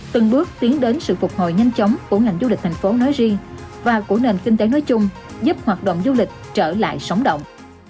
từng bước tiến đến sự phục hồi nhanh chóng của ngành du lịch thành phố nói riêng và của nền kinh tế nói chung giúp hoạt động du lịch trở lại sống động